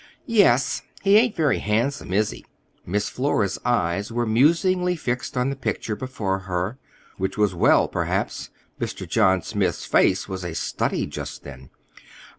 "Yes. He ain't very handsome, is he?" Miss Flora's eyes were musingly fixed on the picture before her—which was well, perhaps: Mr. John Smith's face was a study just then.